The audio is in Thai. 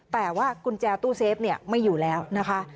แต่ว่ากุญแจตู้เซฟไม่อยู่แล้วนะคะ